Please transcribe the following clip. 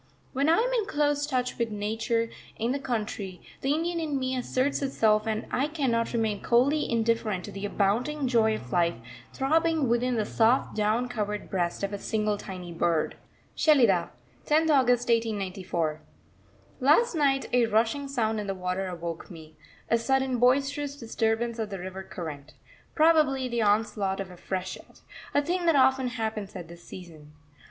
When I am in close touch with Nature in the country, the Indian in me asserts itself and I cannot remain coldly indifferent to the abounding joy of life throbbing within the soft down covered breast of a single tiny bird. SHELIDAH, 10th August 1894. Last night a rushing sound in the water awoke me a sudden boisterous disturbance of the river current probably the onslaught of a freshet: a thing that often happens at this season.